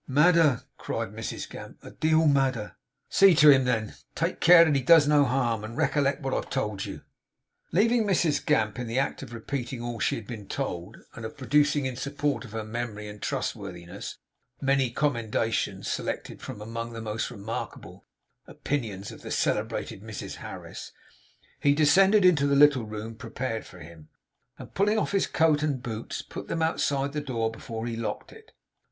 'Madder!' cried Mrs Gamp. 'A deal madder!' 'See to him, then; take care that he does no harm; and recollect what I have told you.' Leaving Mrs Gamp in the act of repeating all she had been told, and of producing in support of her memory and trustworthiness, many commendations selected from among the most remarkable opinions of the celebrated Mrs Harris, he descended to the little room prepared for him, and pulling off his coat and his boots, put them outside the door before he locked it.